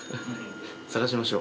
探しましょう。